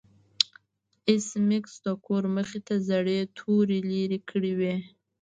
ایس میکس د کور مخې ته زړې توري لرې کړې وې